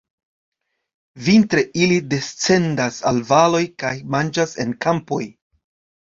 Vintre ili descendas al valoj kaj manĝas en kampoj.